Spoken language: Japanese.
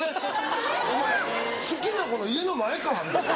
お前好きな子の家の前か！みたいな。